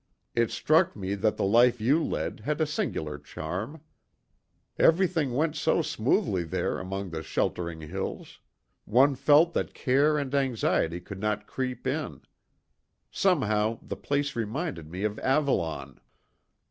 It struck me that the life you led had a singular charm. Everything went so smoothly there among the sheltering hills. One felt that care and anxiety could not creep in. Somehow the place reminded me of Avalon."